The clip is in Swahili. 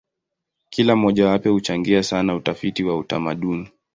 Kila mojawapo huchangia sana utafiti wa utamaduni.